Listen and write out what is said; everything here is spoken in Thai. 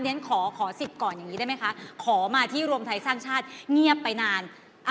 อย่างนี้เช่นขอขอสิทธิ์ก็ยังไงคะขอมาทีรวมทัศน์ฌาติเงียบไปนาน